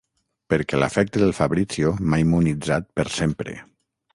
Perquè l'afecte del Fabrizio m'ha immunitzat per sempre.